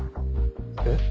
えっ？